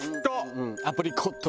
うんアプリコット。